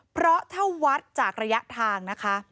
เพราะถ้าวัดจากระยะทางนะคะ